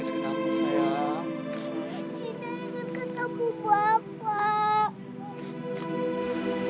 saya ingin menanggungmu